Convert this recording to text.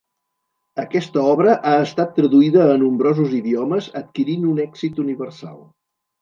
Aquesta obra ha estat traduïda a nombrosos idiomes adquirint un èxit universal.